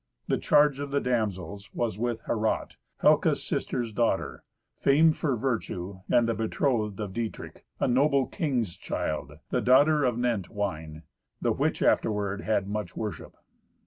The charge of the damsels was with Herrat, Helca's sister's daughter, famed for virtue, and the betrothed of Dietrich, a noble king's child, the daughter of Nentwine; the which afterward had much worship.